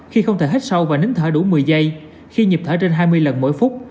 khi không thể hít sâu và nín thở đủ một mươi giây khi nhịp thở trên hai mươi lần mỗi phút